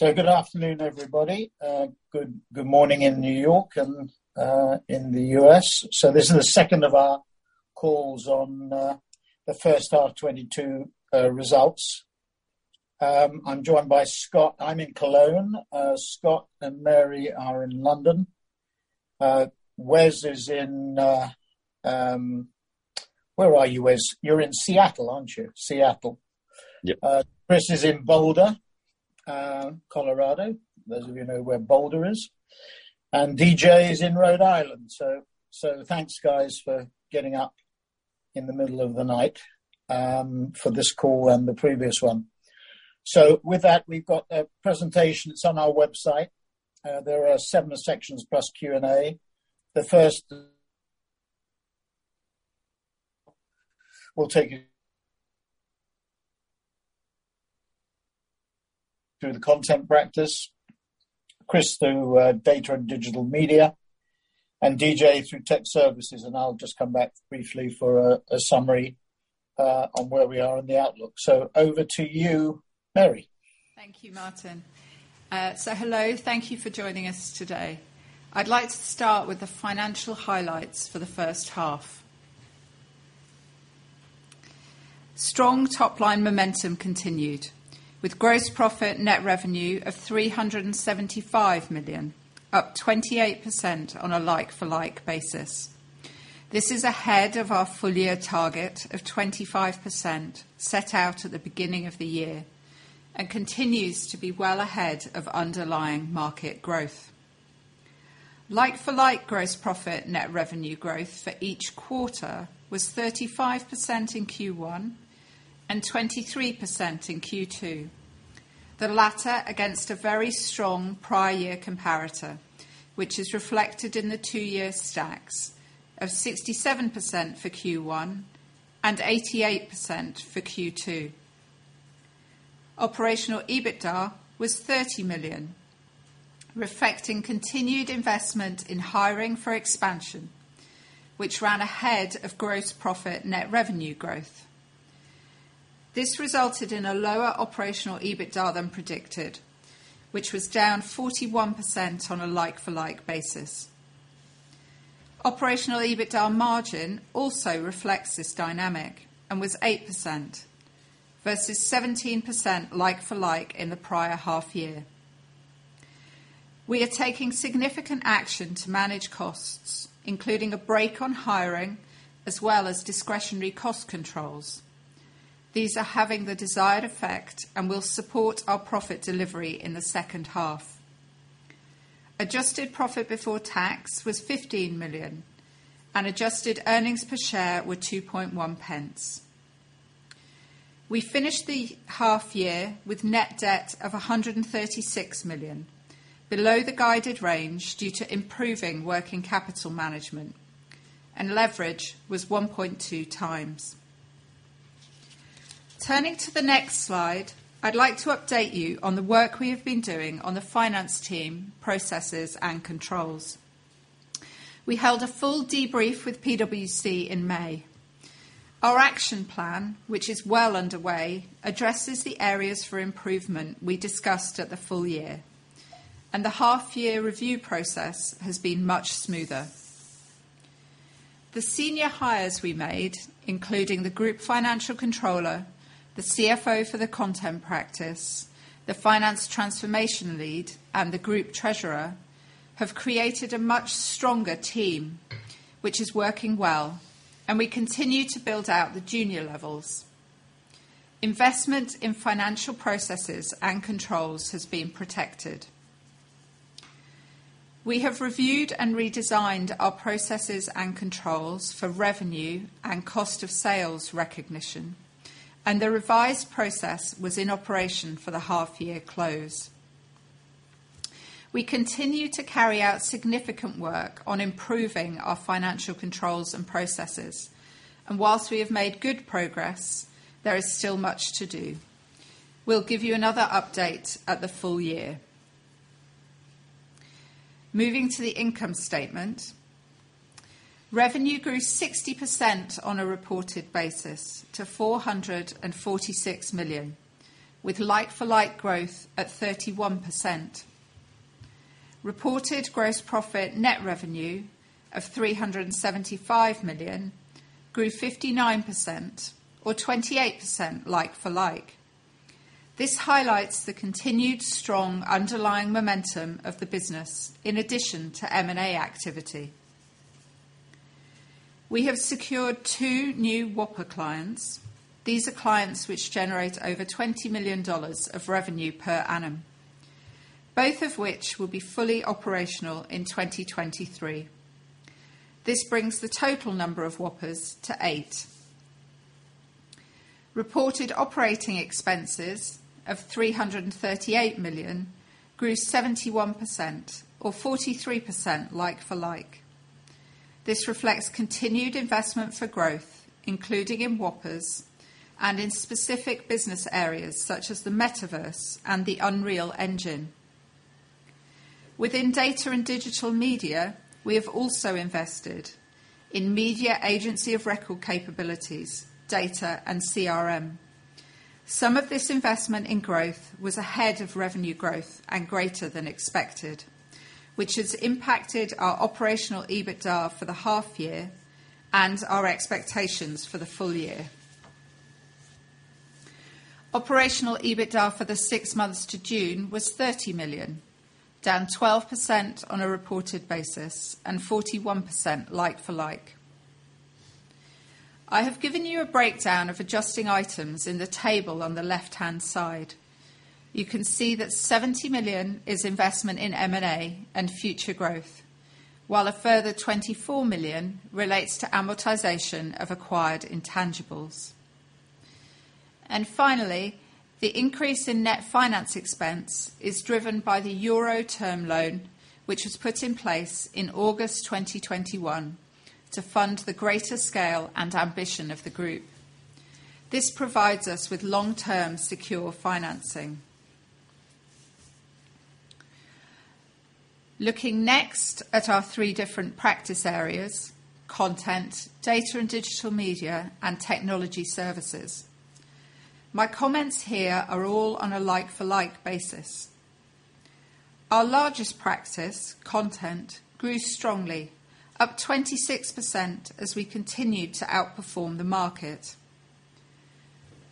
Good afternoon, everybody. Good morning in New York and in the US. This is the second of our calls on the first H1 2022 results. I'm joined by Scott. I'm in Cologne. Scott and Mary are in London. Wes is in. Where are you, Wes? You're in Seattle, aren't you? Seattle. Yep. Chris is in Boulder, Colorado. Those of you know where Boulder is. DJ is in Rhode Island. Thanks, guys, for getting up in the middle of the night for this call and the previous one. With that, we've got a presentation. It's on our website. There are seven sections plus Q&A. The first we'll take through the content practice. Chris through data and digital media, and DJ through tech services, and I'll just come back briefly for a summary on where we are in the outlook. Over to you, Mary. Thank you, Martin. Hello. Thank you for joining us today. I'd like to start with the financial highlights for the first half. Strong top-line momentum continued with gross profit net revenue of 375 million, up 28% on a like-for-like basis. This is ahead of our full year target of 25% set out at the beginning of the year, and continues to be well ahead of underlying market growth. Like for like gross profit net revenue growth for each quarter was 35% in Q1 and 23% in Q2. The latter against a very strong prior year comparator, which is reflected in the two-year stacks of 67% for Q1 and 88% for Q2. Operational EBITDA was 30 million, reflecting continued investment in hiring for expansion, which ran ahead of gross profit net revenue growth. This resulted in a lower operational EBITDA than predicted, which was down 41% on a like-for-like basis. Operational EBITDA margin also reflects this dynamic and was 8% versus 17% like-for-like in the prior half year. We are taking significant action to manage costs, including a break on hiring as well as discretionary cost controls. These are having the desired effect and will support our profit delivery in the second half. Adjusted profit before tax was 15 million and adjusted earnings per share were 2.1 pence. We finished the half year with net debt of 136 million, below the guided range due to improving working capital management, and leverage was 1.2x. Turning to the next slide, I'd like to update you on the work we have been doing on the finance team, processes, and controls. We held a full debrief with PwC in May. Our action plan, which is well underway, addresses the areas for improvement we discussed at the full year, and the half year review process has been much smoother. The senior hires we made, including the Group Financial Controller, the CFO for the content practice, the Finance Transformation Lead, and the Group Treasurer, have created a much stronger team which is working well, and we continue to build out the junior levels. Investment in financial processes and controls has been protected. We have reviewed and redesigned our processes and controls for revenue and cost of sales recognition, and the revised process was in operation for the half year close. We continue to carry out significant work on improving our financial controls and processes, and while we have made good progress, there is still much to do. We'll give you another update at the full year. Moving to the income statement. Revenue grew 60% on a reported basis to 446 million, with like-for-like growth at 31%. Reported gross profit net revenue of 375 million grew 59% or 28% like for like. This highlights the continued strong underlying momentum of the business in addition to M&A activity. We have secured two new whopper clients. These are clients which generate over $20 million of revenue per annum, both of which will be fully operational in 2023. This brings the total number of whoppers to eight. Reported operating expenses of 338 million grew 71% or 43% like for like. This reflects continued investment for growth, including in whoppers and in specific business areas such as the Metaverse and the Unreal Engine. Within Data&Digital Media, we have also invested in media agency of record capabilities, data, and CRM. Some of this investment in growth was ahead of revenue growth and greater than expected, which has impacted our operational EBITDA for the half year and our expectations for the full year. Operational EBITDA for the six months to June was 30 million, down 12% on a reported basis and 41% like-for-like. I have given you a breakdown of adjusting items in the table on the left-hand side. You can see that 70 million is investment in M&A and future growth, while a further 24 million relates to amortization of acquired intangibles. Finally, the increase in net finance expense is driven by the euro term loan, which was put in place in August 2021 to fund the greater scale and ambition of the group. This provides us with long-term secure financing. Looking next at our three different practice areas, Content, Data&Digital Media, and Technology Services. My comments here are all on a like-for-like basis. Our largest practice, Content, grew strongly, up 26% as we continued to outperform the market.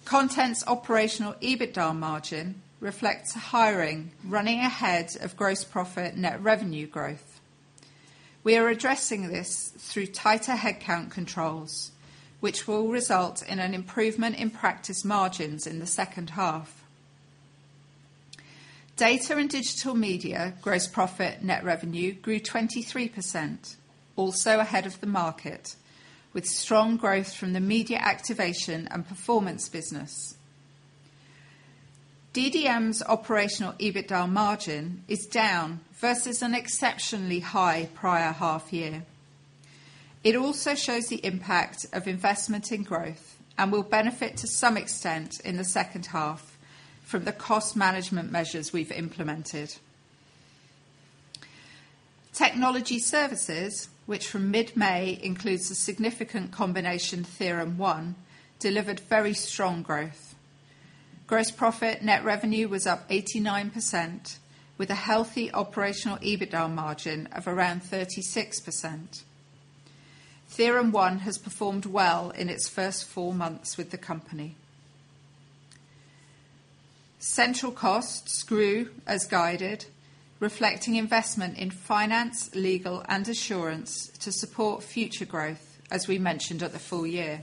Content's operational EBITDA margin reflects hiring, running ahead of gross profit net revenue growth. We are addressing this through tighter headcount controls, which will result in an improvement in practice margins in the second half. Data&Digital Media gross profit net revenue grew 23%, also ahead of the market, with strong growth from the media activation and performance business. DDM's operational EBITDA margin is down versus an exceptionally high prior half year. It also shows the impact of investment in growth and will benefit to some extent in the second half from the cost management measures we've implemented. Technology Services, which from mid-May includes the significant combination TheoremOne, delivered very strong growth. Gross profit net revenue was up 89%, with a healthy operational EBITDA margin of around 36%. TheoremOne has performed well in its first four months with the company. Central costs grew as guided, reflecting investment in finance, legal, and assurance to support future growth, as we mentioned at the full year.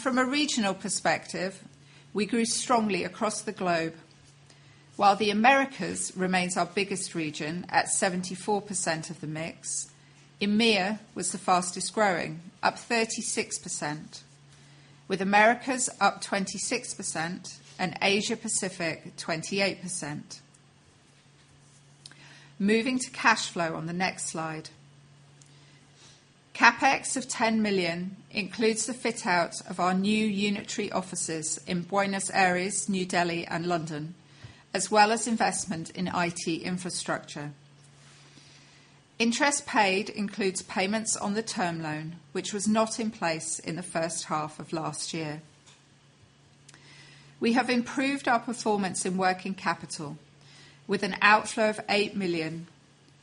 From a regional perspective, we grew strongly across the globe. While the Americas remains our biggest region at 74% of the mix, EMEA was the fastest growing, up 36%, with Americas up 26% and Asia Pacific 28%. Moving to cash flow on the next slide. CapEx of 10 million includes the fit out of our new unitary offices in Buenos Aires, New Delhi and London, as well as investment in IT infrastructure. Interest paid includes payments on the term loan, which was not in place in the first half of last year. We have improved our performance in working capital with an outflow of 8 million,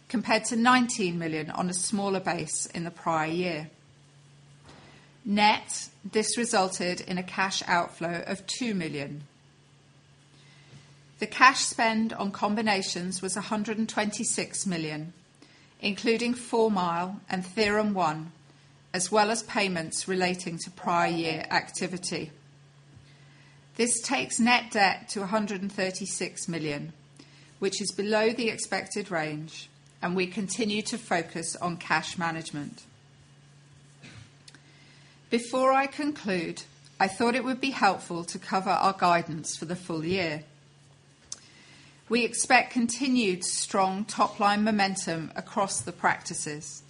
compared to 19 million on a smaller base in the prior year. Net, this resulted in a cash outflow of 2 million. The cash spend on combinations was 126 million, including 4 Mile and TheoremOne, as well as payments relating to prior year activity. This takes net debt to 136 million, which is below the expected range, and we continue to focus on cash management. Before I conclude, I thought it would be helpful to cover our guidance for the full year. We expect continued strong top-line momentum across the practices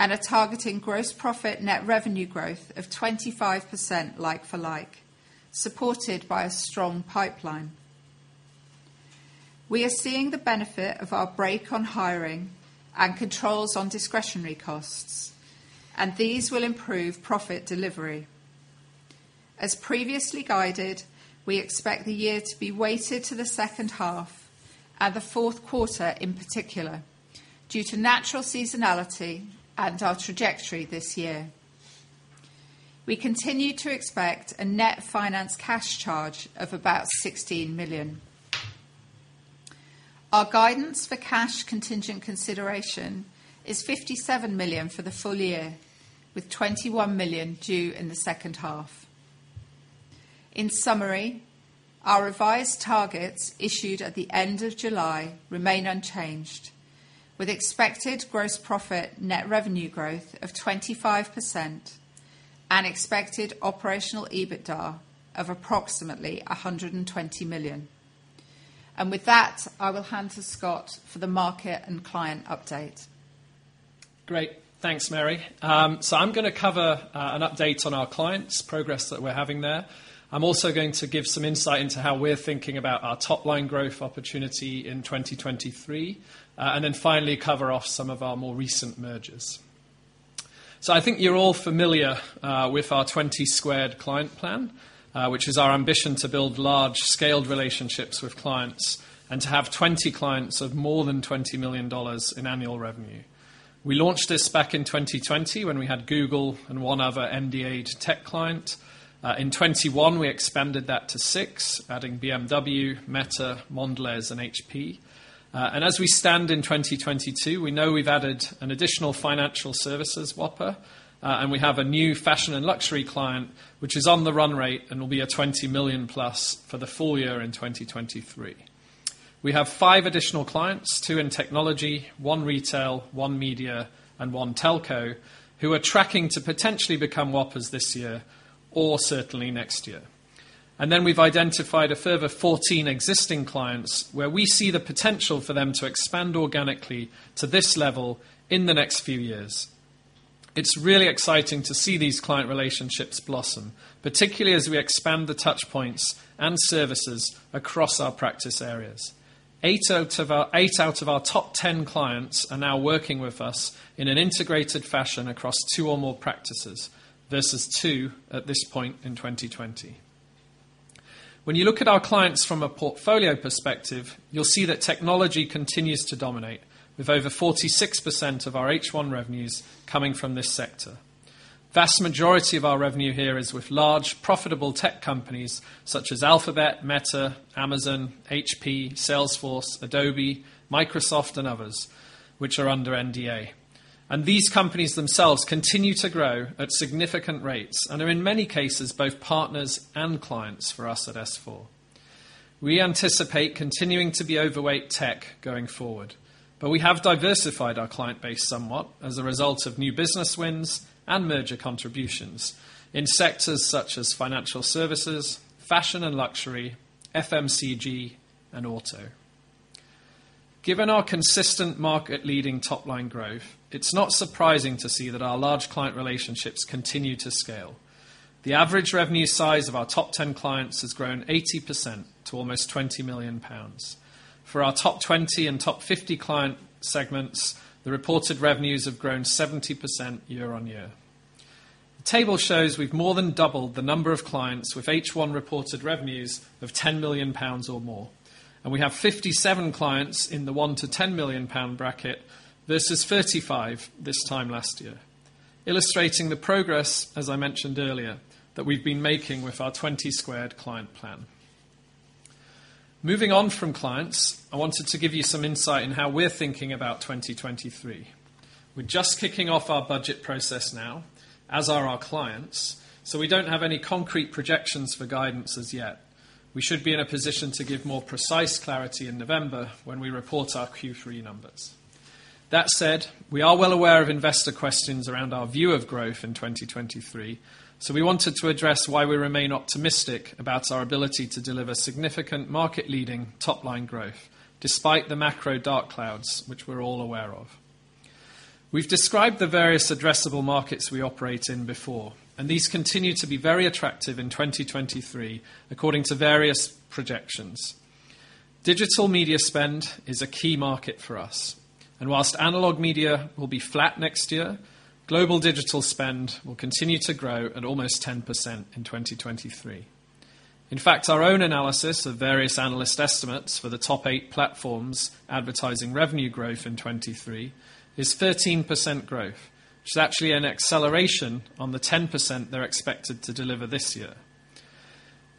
and are targeting gross profit net revenue growth of 25% like for like, supported by a strong pipeline. We are seeing the benefit of our brake on hiring and controls on discretionary costs, and these will improve profit delivery. As previously guided, we expect the year to be weighted to the second half and the fourth quarter in particular, due to natural seasonality and our trajectory this year. We continue to expect a net finance cash charge of about 16 million. Our guidance for cash contingent consideration is 57 million for the full year, with 21 million due in the second half. In summary, our revised targets issued at the end of July remain unchanged, with expected gross profit net revenue growth of 25% and expected operational EBITDA of approximately 120 million. With that, I will hand to Scott for the market and client update. Great. Thanks, Mary. I'm gonna cover an update on our clients, progress that we're having there. I'm also going to give some insight into how we're thinking about our top-line growth opportunity in 2023. Finally, cover off some of our more recent mergers. I think you're all familiar with our twenty squared client plan, which is our ambition to build large scaled relationships with clients and to have 20 clients of more than $20 million in annual revenue. We launched this back in 2020 when we had Google and one other NDA'd tech client. In 2021, we expanded that to six, adding BMW, Meta, Mondelēz, and HP. As we stand in 2022, we know we've added an additional financial services whopper. We have a new fashion and luxury client, which is on the run rate and will be a $20 million plus for the full year in 2023. We have five additional clients, two in technology, one retail, one media, and one telco, who are tracking to potentially become whoppers this year or certainly next year. Then we've identified a further 14 existing clients, where we see the potential for them to expand organically to this level in the next few years. It's really exciting to see these client relationships blossom, particularly as we expand the touch points and services across our practice areas. Eight out of our top 10 clients are now working with us in an integrated fashion across two or more practices versus two at this point in 2020. When you look at our clients from a portfolio perspective, you'll see that technology continues to dominate with over 46% of our H1 revenues coming from this sector. Vast majority of our revenue here is with large, profitable tech companies such as Alphabet, Meta, Amazon, HP, Salesforce, Adobe, Microsoft and others, which are under NDA. These companies themselves continue to grow at significant rates and are, in many cases, both partners and clients for us at S4. We anticipate continuing to be overweight tech going forward, but we have diversified our client base somewhat as a result of new business wins and merger contributions in sectors such as financial services, fashion and luxury, FMCG, and auto. Given our consistent market leading top line growth, it's not surprising to see that our large client relationships continue to scale. The average revenue size of our top 10 clients has grown 80% to almost 20 million pounds. For our top 20 and top 50 client segments, the reported revenues have grown 70% year-on-year. The table shows we've more than doubled the number of clients with H1 reported revenues of 10 million pounds or more. We have 57 clients in the 1 million-10 million pound bracket versus 35 this time last year. Illustrating the progress, as I mentioned earlier, that we've been making with our twenty squared client plan. Moving on from clients, I wanted to give you some insight in how we're thinking about 2023. We're just kicking off our budget process now, as are our clients, so we don't have any concrete projections for guidance as yet. We should be in a position to give more precise clarity in November when we report our Q3 numbers. That said, we are well aware of investor questions around our view of growth in 2023, so we wanted to address why we remain optimistic about our ability to deliver significant market leading top line growth despite the macro dark clouds, which we're all aware of. We've described the various addressable markets we operate in before, and these continue to be very attractive in 2023, according to various projections. Digital Media spend is a key market for us, and while analog media will be flat next year, global digital spend will continue to grow at almost 10% in 2023. In fact, our own analysis of various analyst estimates for the top eight platforms' advertising revenue growth in 2023 is 13% growth, which is actually an acceleration on the 10% they're expected to deliver this year.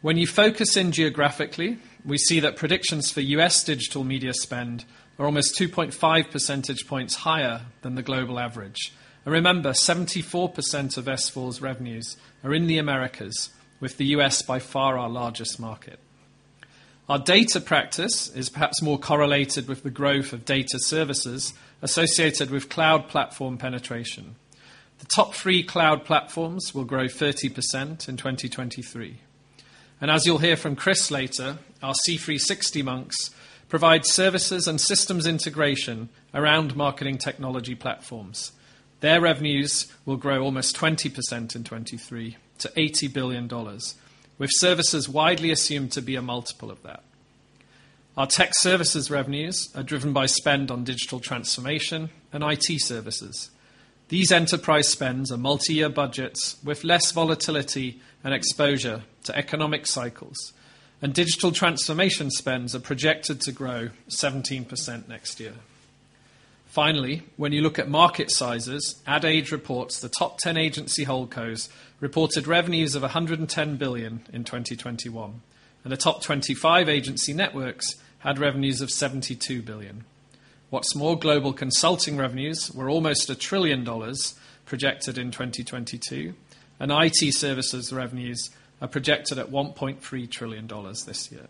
When you focus in geographically, we see that predictions for U.S. digital media spend are almost 2.5 percentage points higher than the global average. Remember, 74% of S4's revenues are in the Americas with the U.S. by far our largest market. Our data practice is perhaps more correlated with the growth of data services associated with cloud platform penetration. The top three cloud platforms will grow 30% in 2023. As you'll hear from Chris later, our C360.Monks provide services and systems integration around marketing technology platforms. Their revenues will grow almost 20% in 2023 to $80 billion, with services widely assumed to be a multiple of that. Our tech services revenues are driven by spend on digital transformation and IT services. These enterprise spends are multi-year budgets with less volatility and exposure to economic cycles. Digital transformation spends are projected to grow 17% next year. Finally, when you look at market sizes, Ad Age reports the top ten agency holdcos reported revenues of $110 billion in 2021, and the top twenty-five agency networks had revenues of $72 billion. What's more, global consulting revenues were almost $1 trillion projected in 2022, and IT services revenues are projected at $1.3 trillion this year.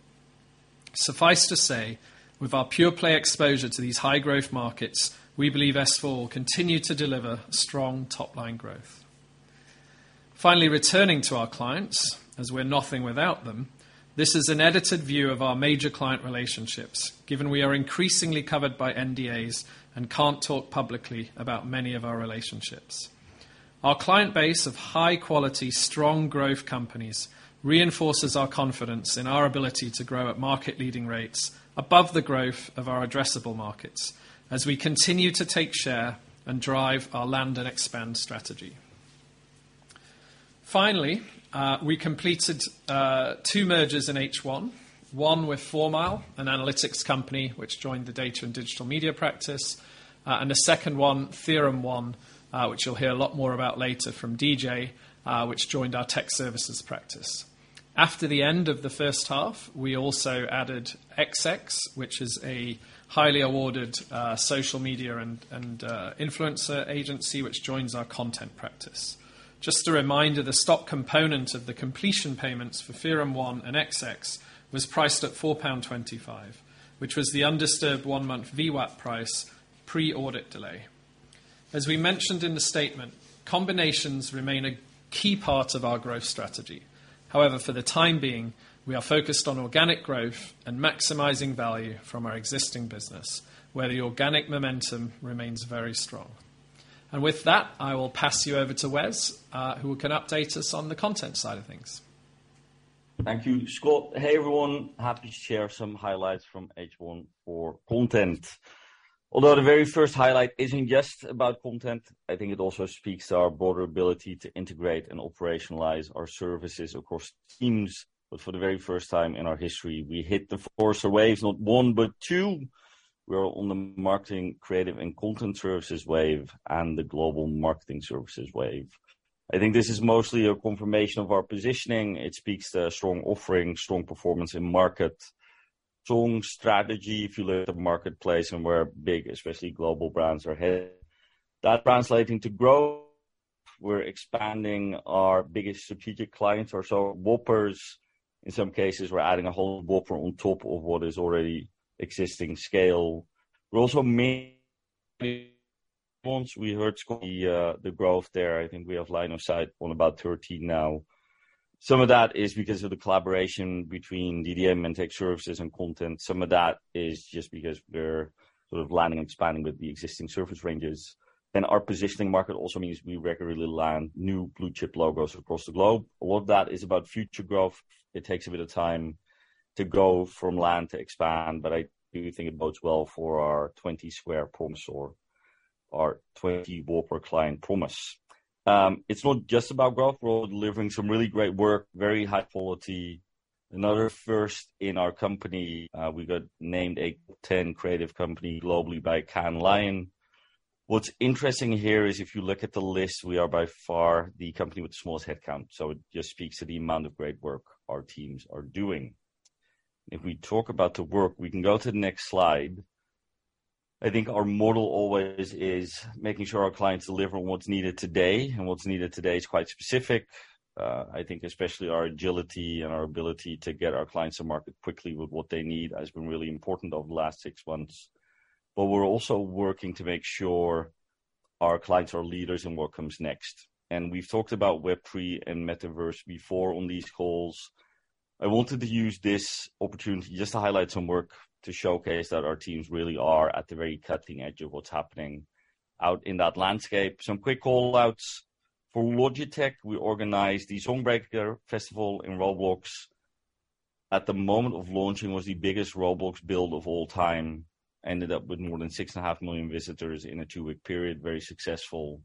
Suffice to say, with our pure play exposure to these high growth markets, we believe S4 will continue to deliver strong top line growth. Finally returning to our clients, as we're nothing without them. This is an edited view of our major client relationships, given we are increasingly covered by NDAs and can't talk publicly about many of our relationships. Our client base of high quality, strong growth companies reinforces our confidence in our ability to grow at market leading rates above the growth of our addressable markets as we continue to take share and drive our land and expand strategy. Finally, we completed two mergers in H1, one with 4 Mile, an analytics company which joined the Data&Digital Media practice, and the second one, TheoremOne, which you'll hear a lot more about later from DJ, which joined our Technology Services practice. After the end of the first half, we also added XX Artists, which is a highly awarded social media and influencer agency, which joins our content practice. Just a reminder, the stock component of the completion payments for TheoremOne and XX Artists was priced at 4.25 pound, which was the undisturbed one-month VWAP price pre-audit delay. As we mentioned in the statement, combinations remain a key part of our growth strategy. However, for the time being, we are focused on organic growth and maximizing value from our existing business, where the organic momentum remains very strong. With that, I will pass you over to Wes, who can update us on the content side of things. Thank you, Scott. Hey, everyone. Happy to share some highlights from H1 for content. Although the very first highlight isn't just about content, I think it also speaks to our broader ability to integrate and operationalize our services across teams. For the very first time in our history, we hit the Forrester Wave, not one, but two. We are on the Marketing, Creative, and Content Services Wave and the Global Marketing Services Wave. I think this is mostly a confirmation of our positioning. It speaks to a strong offering, strong performance in market, strong strategy. If you look at the marketplace and where big, especially global brands are heading, that translating to growth. We're expanding our biggest strategic clients or so. whoppers, in some cases, we're adding a whole whopper on top of what is already existing scale. We're also making headway, the growth there. I think we have line of sight on about 13 now. Some of that is because of the collaboration between DDM and Technology Services and Content. Some of that is just because we're sort of landing and expanding with the existing service ranges. Our positioning in the market also means we regularly land new blue-chip logos across the globe. A lot of that is about future growth. It takes a bit of time to go from land to expand, but I do think it bodes well for our 20 squared promise or our 20 whopper client promise. It's not just about growth. We're delivering some really great work, very high quality. Another first in our company, we got named a top 10 creative company globally by Cannes Lions. What's interesting here is if you look at the list, we are by far the company with the smallest headcount. It just speaks to the amount of great work our teams are doing. If we talk about the work, we can go to the next slide. I think our model always is making sure our clients deliver on what's needed today, and what's needed today is quite specific. I think especially our agility and our ability to get our clients to market quickly with what they need has been really important over the last six months. We're also working to make sure our clients are leaders in what comes next. We've talked about Web3 and Metaverse before on these calls. I wanted to use this opportunity just to highlight some work to showcase that our teams really are at the very cutting edge of what's happening out in that landscape. Some quick call-outs. For Logitech, we organized the Song Breaker Awards in Roblox. At the moment of launching was the biggest Roblox build of all time. Ended up with more than 6.5 million visitors in a two-week period. Very successful.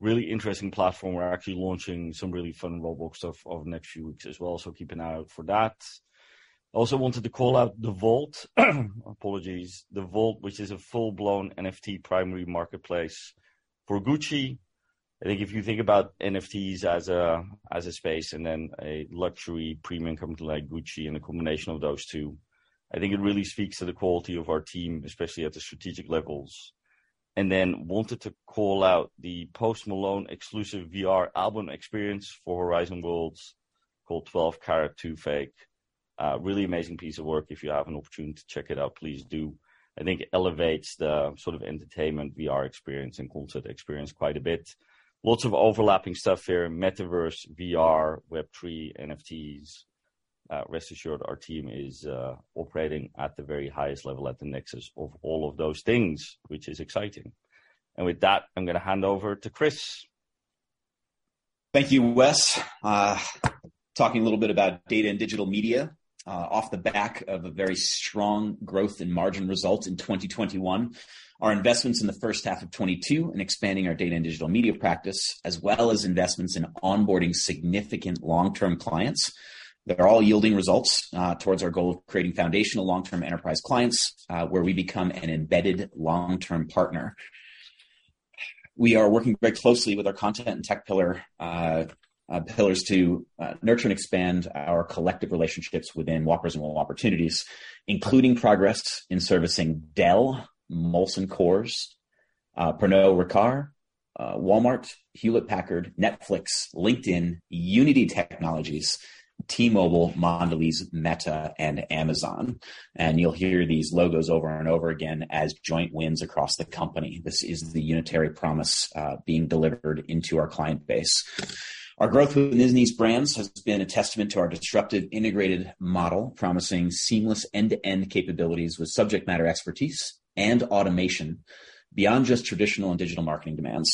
Really interesting platform. We're actually launching some really fun Roblox stuff over the next few weeks as well. Keep an eye out for that. Also wanted to call out Vault Art Space. Apologies. Vault Art Space, which is a full-blown NFT primary marketplace for Gucci. I think if you think about NFTs as a space and then a luxury premium company like Gucci and a combination of those two, I think it really speaks to the quality of our team, especially at the strategic levels. Then wanted to call out the Post Malone exclusive VR album experience for Horizon Worlds called Twelve Carat Toothache. Really amazing piece of work. If you have an opportunity to check it out, please do. I think it elevates the sort of entertainment VR experience and culture experience quite a bit. Lots of overlapping stuff here, Metaverse, VR, Web3, NFTs. Rest assured, our team is operating at the very highest level at the nexus of all of those things, which is exciting. With that, I'm gonna hand over to Chris. Thank you, Wes. Talking a little bit about data and digital media, off the back of a very strong growth in margin results in 2021. Our investments in the first half of 2022 in expanding our data and digital media practice, as well as investments in onboarding significant long-term clients, they're all yielding results, towards our goal of creating foundational long-term enterprise clients, where we become an embedded long-term partner. We are working very closely with our content and tech pillars to nurture and expand our collective relationships within whoppers and all opportunities, including progress in servicing Dell, Molson Coors, Pernod Ricard, Walmart, Hewlett-Packard, Netflix, LinkedIn, Unity Technologies, T-Mobile, Mondelēz, Meta, and Amazon. You'll hear these logos over and over again as joint wins across the company. This is the unitary promise being delivered into our client base. Our growth within these brands has been a testament to our disruptive integrated model, promising seamless end-to-end capabilities with subject matter expertise and automation beyond just traditional and digital marketing demands.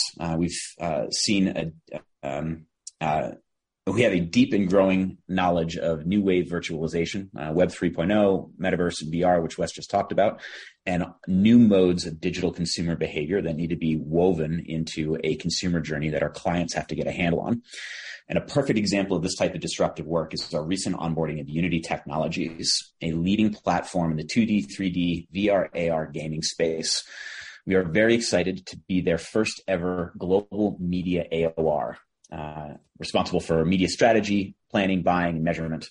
We have a deep and growing knowledge of new wave virtualization, Web3, Metaverse, and VR, which Wes just talked about, and new modes of digital consumer behavior that need to be woven into a consumer journey that our clients have to get a handle on. A perfect example of this type of disruptive work is our recent onboarding of Unity Technologies, a leading platform in the 2D, 3D, VR, AR gaming space. We are very excited to be their first ever global media AOR, responsible for media strategy, planning, buying, and measurement.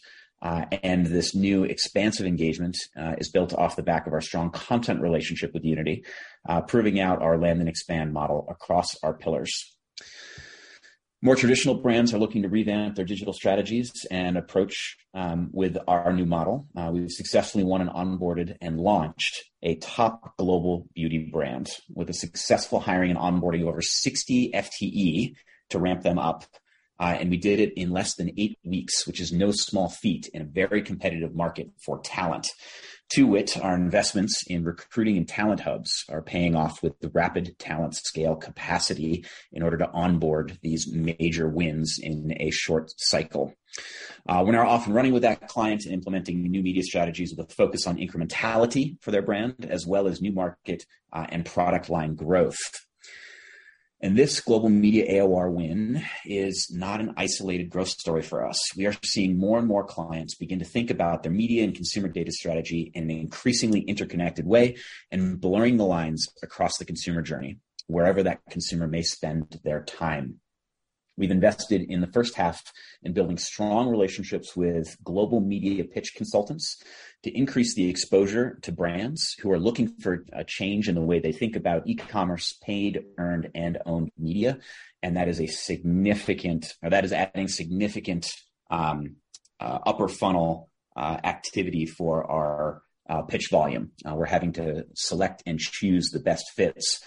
This new expansive engagement is built off the back of our strong content relationship with Unity, proving out our land and expand model across our pillars. More traditional brands are looking to revamp their digital strategies and approach with our new model. We've successfully won and onboarded and launched a top global beauty brand with a successful hiring and onboarding over 60 FTE to ramp them up. We did it in less than 8 weeks, which is no small feat in a very competitive market for talent. To which our investments in recruiting and talent hubs are paying off with the rapid talent scale capacity in order to onboard these major wins in a short cycle. We are off and running with that client and implementing new media strategies with a focus on incrementality for their brand, as well as new market and product line growth. This global media AOR win is not an isolated growth story for us. We are seeing more and more clients begin to think about their media and consumer data strategy in an increasingly interconnected way and blurring the lines across the consumer journey wherever that consumer may spend their time. We've invested in the first half in building strong relationships with global media pitch consultants to increase the exposure to brands who are looking for a change in the way they think about e-commerce paid, earned, and owned media. That is adding significant upper funnel activity for our pitch volume. We're having to select and choose the best fits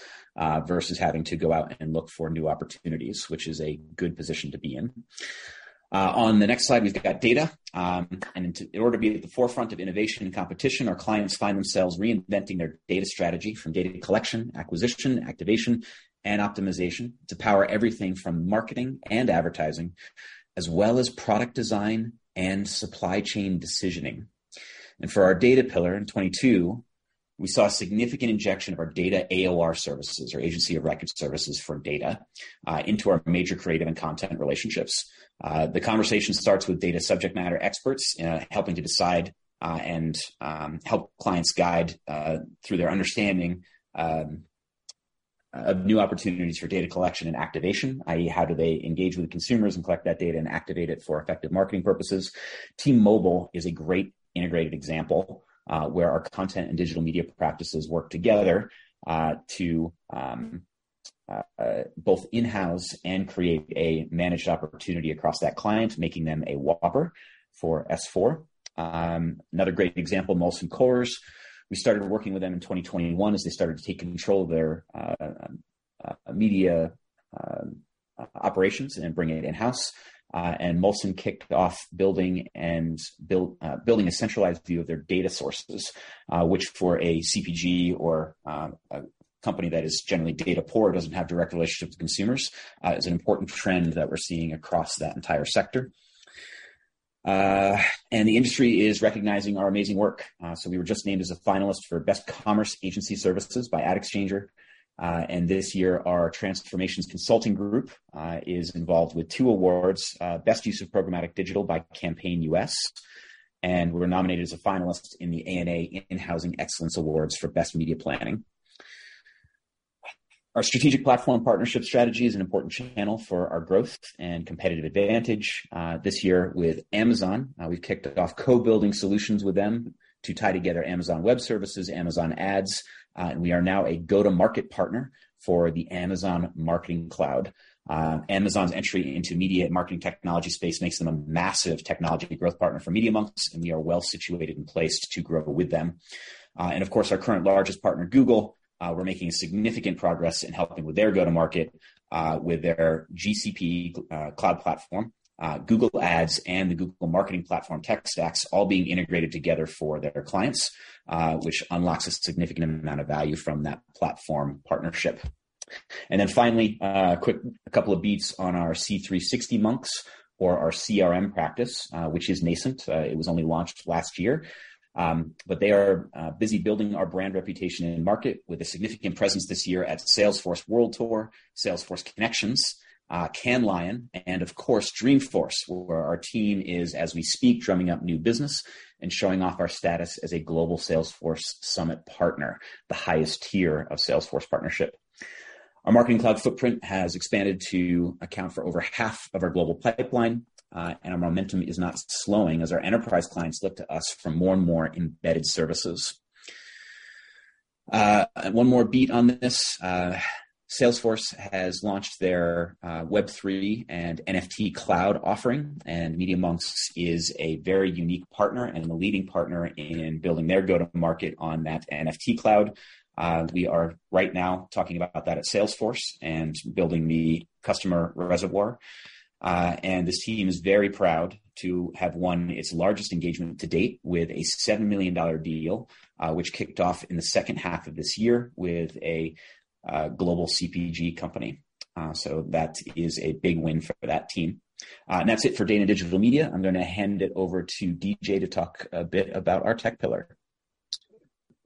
versus having to go out and look for new opportunities, which is a good position to be in. On the next slide, we've got data. In order to be at the forefront of innovation and competition, our clients find themselves reinventing their data strategy from data collection, acquisition, activation, and optimization to power everything from marketing and advertising, as well as product design and supply chain decisioning. For our data pillar in 2022, we saw a significant injection of our data AOR services or agency of record services for data into our major creative and content relationships. The conversation starts with data subject matter experts helping to decide and help clients guide through their understanding of new opportunities for data collection and activation, i.e., how do they engage with consumers and collect that data and activate it for effective marketing purposes? T-Mobile is a great integrated example, where our content and digital media practices work together to both in-house and create a managed opportunity across that client, making them a whopper for S4. Another great example, Molson Coors. We started working with them in 2021 as they started to take control of their media operations and bringing it in-house. Molson Coors kicked off building a centralized view of their data sources, which for a CPG or a company that is generally data poor, doesn't have direct relationships with consumers, is an important trend that we're seeing across that entire sector. The industry is recognizing our amazing work. We were just named as a finalist for Best Commerce Agency Services by AdExchanger. This year, our transformations consulting group is involved with two awards, Best Use of Programmatic Digital by Campaign US, and we were nominated as a finalist in the ANA In-House Excellence Awards for Best Media Planning. Our strategic platform partnership strategy is an important channel for our growth and competitive advantage. This year with Amazon, we've kicked off co-building solutions with them to tie together Amazon Web Services, Amazon Ads, and we are now a go-to-market partner for the Amazon Marketing Cloud. Amazon's entry into media and marketing technology space makes them a massive technology growth partner for Media.Monks, and we are well situated and placed to grow with them. Of course, our current largest partner, Google, we're making significant progress in helping with their go-to-market with their GCP cloud platform, Google Ads, and the Google Marketing Platform tech stacks all being integrated together for their clients, which unlocks a significant amount of value from that platform partnership. Quick couple of beats on our C360.Monks or our CRM practice, which is nascent. It was only launched last year. They are busy building our brand reputation in the market with a significant presence this year at Salesforce World Tour, Salesforce Connections, Cannes Lions, and of course, Dreamforce, where our team is, as we speak, drumming up new business and showing off our status as a global Salesforce Summit Partner, the highest tier of Salesforce partnership. Our marketing cloud footprint has expanded to account for over half of our global pipeline, and our momentum is not slowing as our enterprise clients look to us for more and more embedded services. One more beat on this. Salesforce has launched their Web3 and NFT Cloud offering, and Media.Monks is a very unique partner and the leading partner in building their go-to-market on that NFT Cloud. We are right now talking about that at Salesforce and building the customer reservoir. This team is very proud to have won its largest engagement to date with a $7 million deal, which kicked off in the second half of this year with a global CPG company. That is a big win for that team. That's it for Data & Digital Media. I'm gonna hand it over to DJ to talk a bit about our tech pillar.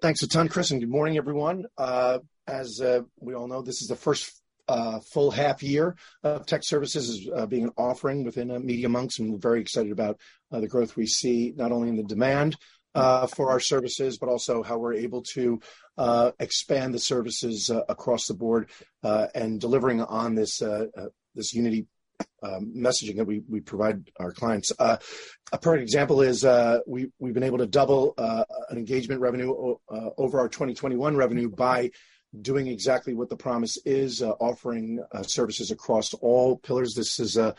Thanks a ton, Chris, and good morning, everyone. As we all know, this is the first full half year of tech services as being an offering within Media.Monks, and we're very excited about the growth we see not only in the demand for our services but also how we're able to expand the services across the board and delivering on this unity messaging that we provide our clients. A perfect example is, we've been able to double an engagement revenue over our 2021 revenue by doing exactly what the promise is, offering services across all pillars. This is a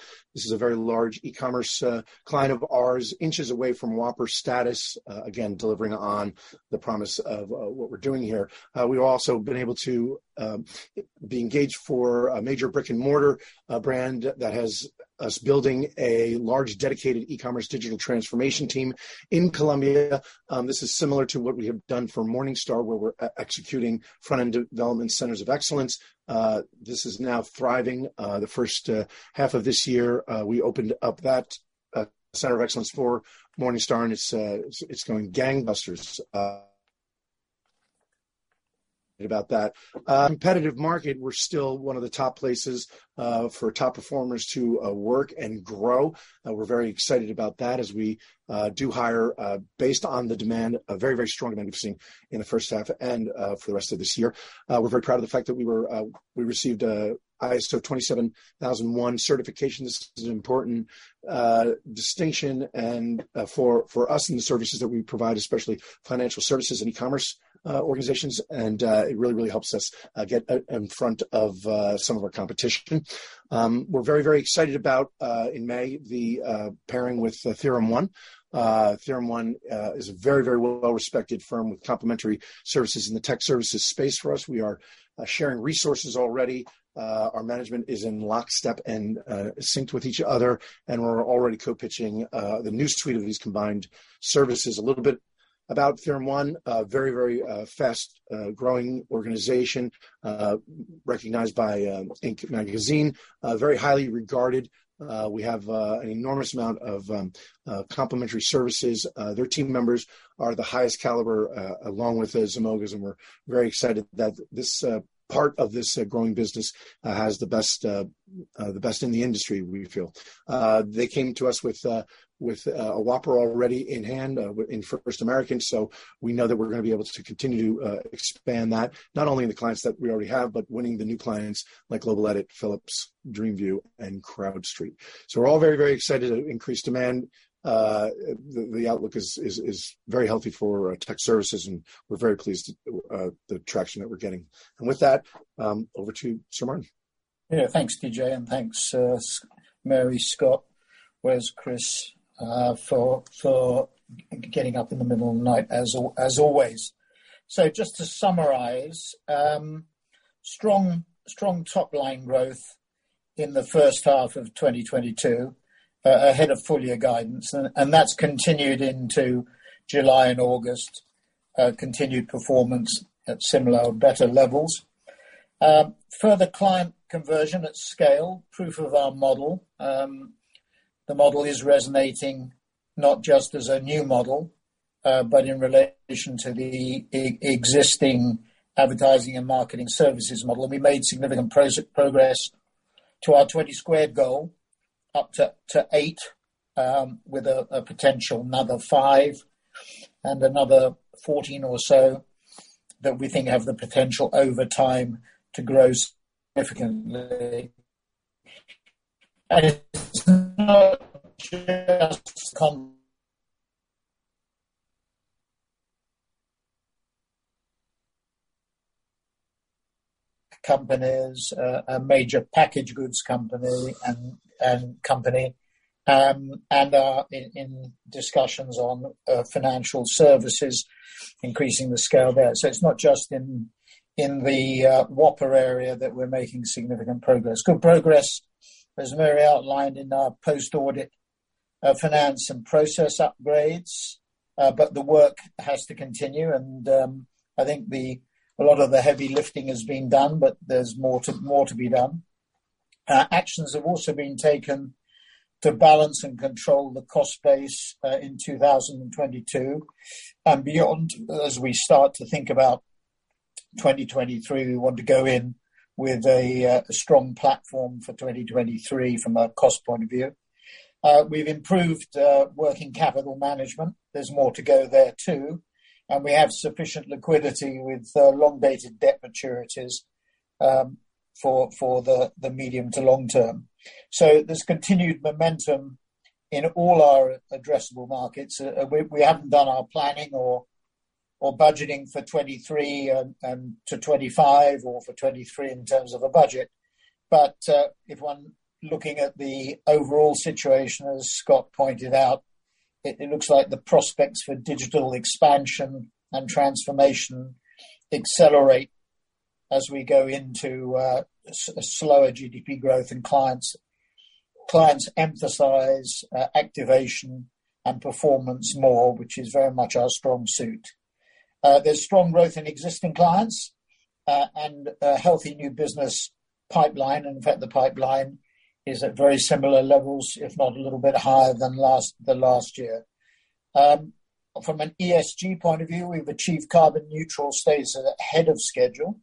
very large e-commerce client of ours, inches away from whopper status, again, delivering on the promise of what we're doing here. We've also been able to be engaged for a major brick-and-mortar brand that has us building a large dedicated e-commerce digital transformation team in Colombia. This is similar to what we have done for Morningstar, where we're executing front-end development centers of excellence. This is now thriving. The first half of this year, we opened up that center of excellence for Morningstar, and it's going gangbusters. About that competitive market, we're still one of the top places for top performers to work and grow. We're very excited about that as we do hire based on the demand, a very, very strong demand we've seen in the first half and for the rest of this year. We're very proud of the fact that we received ISO 27001 certification. This is an important distinction and for us and the services that we provide, especially financial services and e-commerce organizations. It really helps us get out in front of some of our competition. We're very excited about in May, the pairing with TheoremOne. TheoremOne is a very well-respected firm with complementary services in the tech services space for us. We are sharing resources already. Our management is in lockstep and synced with each other, and we're already co-pitching the new suite of these combined services. A little bit about TheoremOne, a very fast growing organization, recognized by Inc. Magazine, very highly regarded. We have an enormous amount of complementary services. Their team members are the highest caliber along with Zemoga's, and we're very excited that this part of this growing business has the best in the industry, we feel. They came to us with a whopper already in hand in First American, so we know that we're gonna be able to continue expand that, not only in the clients that we already have, but winning the new clients like Globaledit, Philips, Dreamview, and CrowdStreet. We're all very, very excited at increased demand. The outlook is very healthy for Technology Services, and we're very pleased with the traction that we're getting. With that, over to you, Sir Martin. Yeah. Thanks, DJ. And thanks, Mary, Scott, Wes, Chris, for getting up in the middle of the night as always. Just to summarize, strong top-line growth in the first half of 2022, ahead of full year guidance. That's continued into July and August, continued performance at similar or better levels. Further client conversion at scale, proof of our model. The model is resonating not just as a new model, but in relation to the existing advertising and marketing services model. We made significant progress to our twenty squared goal, up to eight, with a potential another five and another 14 or so that we think have the potential over time to grow significantly. It's not just companies, a major packaged goods company and a company in financial services are in discussions, increasing the scale there. It's not just in the whopper area that we're making significant progress. Good progress, as Mary outlined, in our post-audit finance and process upgrades, but the work has to continue. I think a lot of the heavy lifting has been done, but there's more to be done. Actions have also been taken to balance and control the cost base in 2022 and beyond as we start to think about 2023. We want to go in with a strong platform for 2023 from a cost point of view. We've improved working capital management. There's more to go there too. We have sufficient liquidity with long-dated debt maturities for the medium to long term. There's continued momentum in all our addressable markets. We haven't done our planning or budgeting for 2023 and to 2025 or for 2023 in terms of a budget. If one looks at the overall situation, as Scott pointed out, it looks like the prospects for digital expansion and transformation accelerate as we go into a slower GDP growth and clients emphasize activation and performance more, which is very much our strong suit. There's strong growth in existing clients and a healthy new business pipeline. In fact, the pipeline is at very similar levels, if not a little bit higher than last year. From an ESG point of view, we've achieved carbon neutral status ahead of schedule,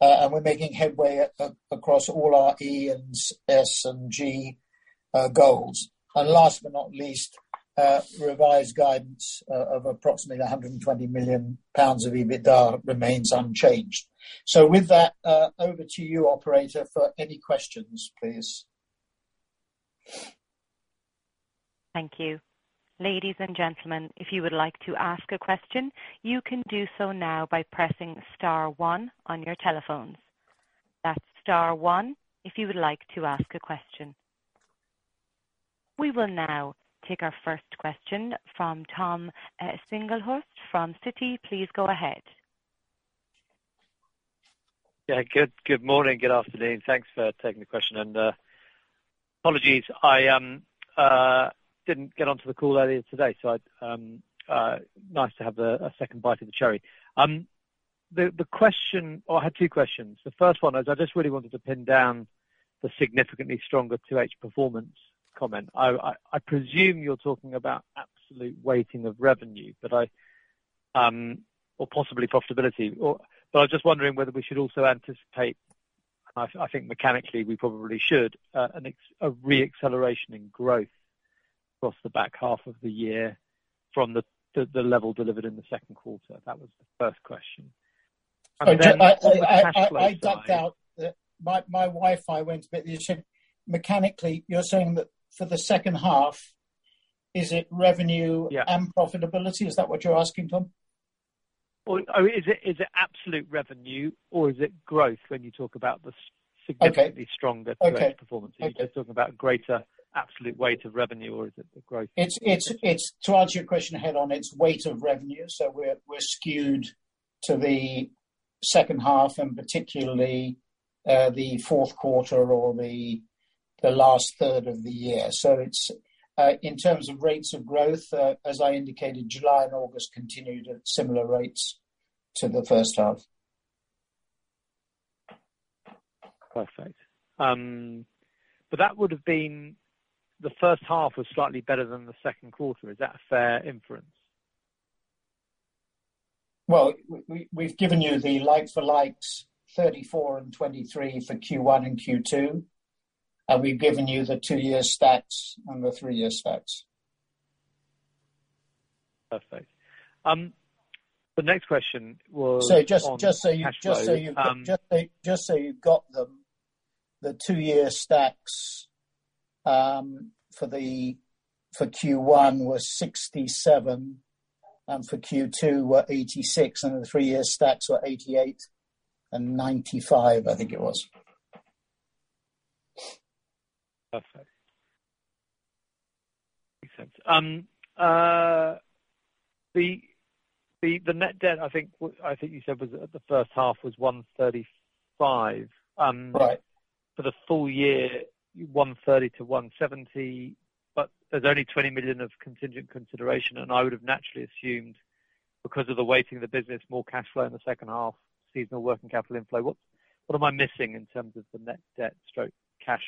and we're making headway across all our E and S and G goals. Last but not least, revised guidance of approximately 120 million pounds of EBITDA remains unchanged. With that, over to you, operator, for any questions, please. Thank you. Ladies and gentlemen, if you would like to ask a question, you can do so now by pressing star one on your telephones. That's star one if you would like to ask a question. We will now take our first question from Tom Singlehurst from Citi. Please go ahead. Yeah, good morning, good afternoon. Thanks for taking the question. Apologies, I didn't get onto the call earlier today, so nice to have a second bite of the cherry. The question. Oh, I had two questions. The first one is I just really wanted to pin down the significantly stronger 2H performance comment. I presume you're talking about absolute weighting of revenue, but or possibly profitability. But I was just wondering whether we should also anticipate, and I think mechanically we probably should, a re-acceleration in growth across the back half of the year from the level delivered in the second quarter. That was the first question. Then- I ducked out. My Wi-Fi went a bit. You said mechanically, you're saying that for the second half, is it revenue? Yeah. Profitability? Is that what you're asking, Tom? Is it absolute revenue or is it growth when you talk about the significantly? Okay. Stronger growth performance? Okay. Okay. Are you just talking about greater absolute weight of revenue or is it the growth? It's to answer your question head on, it's weight of revenue. We're skewed to the second half, and particularly the fourth quarter or the last third of the year. It's in terms of rates of growth, as I indicated, July and August continued at similar rates to the first half. Perfect. That would have been the first half was slightly better than the second quarter. Is that a fair inference? Well, we've given you the like for likes, 34 and 23 for Q1 and Q2. We've given you the two-year stats and the three-year stats. Perfect. The next question was. Just so you- on cash flow. Just so you've got them, the two-year stats for Q1 was 67%, and for Q2 were 86%, and the three-year stats were 88% and 95%, I think it was. Perfect. Makes sense. The net debt I think you said was at the first half was 135. Right. For the full year, 130 million-170 million, but there's only 20 million of contingent consideration, and I would have naturally assumed because of the weighting of the business, more cash flow in the second half, seasonal working capital inflow. What am I missing in terms of the net debt/cash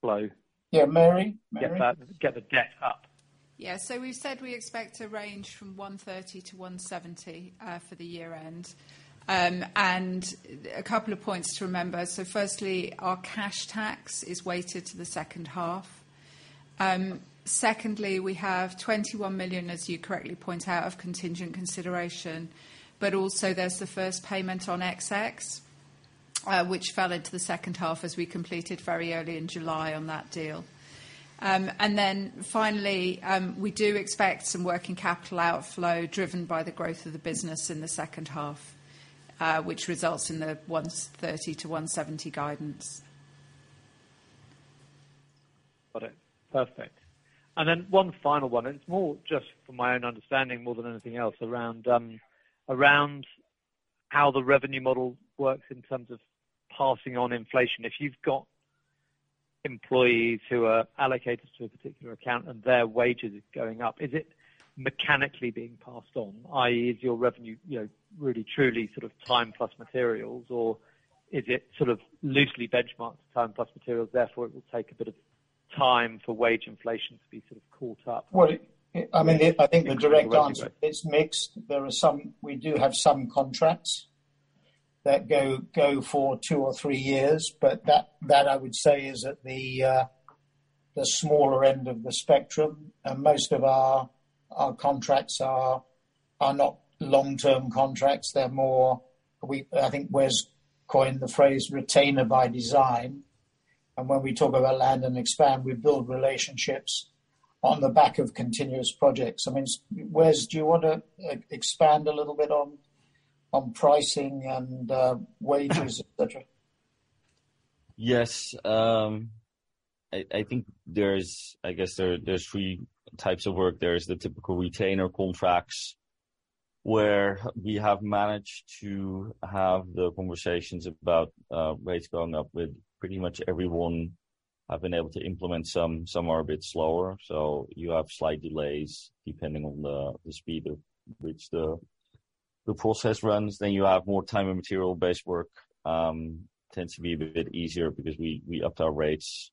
flow? Yeah, Mary. Mary? Get that, get the debt up. Yeah. We said we expect to range from 130 million to 170 million for the year end. A couple of points to remember. Firstly, our cash tax is weighted to the second half. Secondly, we have 21 million, as you correctly point out, of contingent consideration, but also there's the first payment on XX, which fell into the second half as we completed very early in July on that deal. Finally, we do expect some working capital outflow driven by the growth of the business in the second half, which results in the 130 million-170 million guidance. Got it. Perfect. Then one final one, and it's more just for my own understanding more than anything else, around how the revenue model works in terms of passing on inflation. If you've got employees who are allocated to a particular account and their wages are going up, is it mechanically being passed on? i.e., is your revenue, you know, really, truly sort of time plus materials or is it sort of loosely benchmarked time plus materials, therefore it will take a bit of time for wage inflation to be sort of caught up? Well, I mean, I think the direct answer is mixed. There are some. We do have some contracts that go for two or three years, but that I would say is at the smaller end of the spectrum. Most of our contracts are not long-term contracts, they're more. I think Wes coined the phrase retainer by design. When we talk about land and expand, we build relationships on the back of continuous projects. I mean, Wes, do you wanna expand a little bit on pricing and wages et cetera? Yes. I think there are three types of work. There are the typical retainer contracts where we have managed to have the conversations about rates going up with pretty much everyone. I've been able to implement some. Some are a bit slower, so you have slight delays depending on the speed at which the process runs. You have more time and material based work that tends to be a bit easier because we upped our rates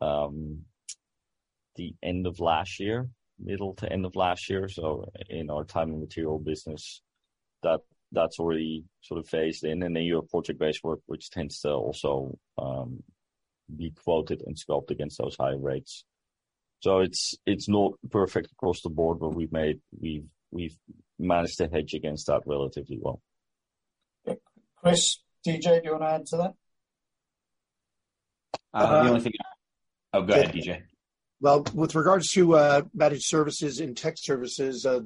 the end of last year, middle to end of last year. In our time and material business, that's already sort of phased in. Your project-based work, which tends to also be quoted and scoped against those high rates. It's not perfect across the board, but we've managed to hedge against that relatively well. Okay. Chris, DJ, do you wanna add to that? Oh, go ahead, DJ. Well, with regards to managed services and tech services, those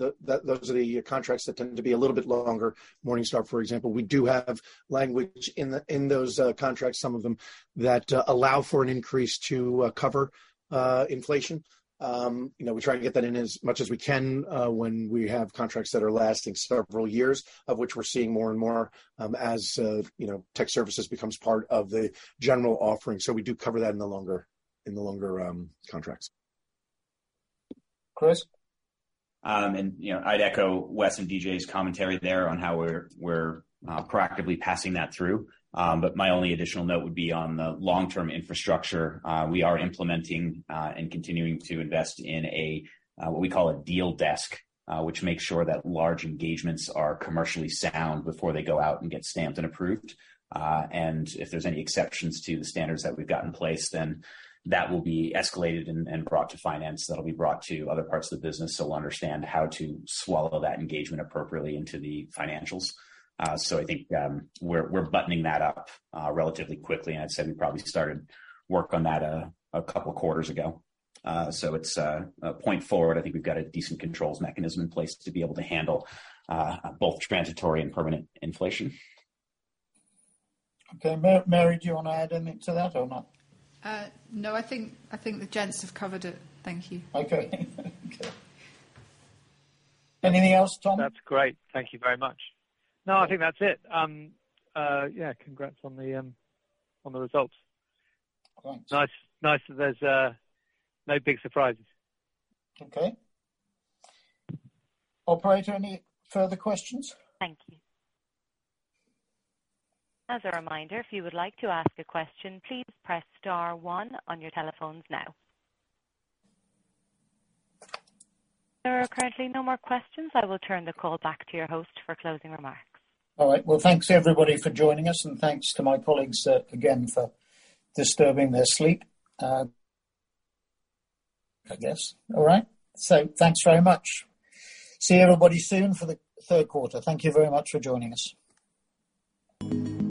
are the contracts that tend to be a little bit longer. Morningstar, for example, we do have language in those contracts, some of them, that allow for an increase to cover inflation. You know, we try to get that in as much as we can when we have contracts that are lasting several years, of which we're seeing more and more, as you know, tech services becomes part of the general offering. We do cover that in the longer contracts. Chris? You know, I'd echo Wes and DJ's commentary there on how we're proactively passing that through. My only additional note would be on the long-term infrastructure. We are implementing and continuing to invest in what we call a deal desk, which makes sure that large engagements are commercially sound before they go out and get stamped and approved. If there's any exceptions to the standards that we've got in place, then that will be escalated and brought to finance. That'll be brought to other parts of the business, so we'll understand how to swallow that engagement appropriately into the financials. I think we're buttoning that up relatively quickly. I'd say we probably started work on that a couple quarters ago. It's a point forward. I think we've got a decent controls mechanism in place to be able to handle both transitory and permanent inflation. Okay. Mary, do you wanna add anything to that or not? No, I think the gents have covered it. Thank you. Okay. Anything else, Tom? That's great. Thank you very much. No, I think that's it. Yeah, congrats on the results. Thanks. Nice that there's no big surprises. Okay. Operator, any further questions? Thank you. As a reminder, if you would like to ask a question, please press star one on your telephones now. There are currently no more questions. I will turn the call back to your host for closing remarks. All right. Well, thanks everybody for joining us and thanks to my colleagues, again for disturbing their sleep, I guess. All right. Thanks very much. See you everybody soon for the third quarter. Thank you very much for joining us.